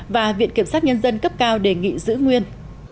và viện kiểm sát nhân dân cấp cao đề nghị giữ nguyên